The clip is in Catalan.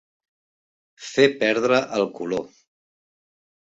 Fer perdre el color.